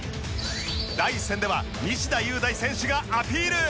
第１戦では西田優大選手がアピール。